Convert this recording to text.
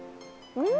うん！